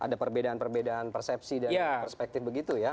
ada perbedaan perbedaan persepsi dan perspektif begitu ya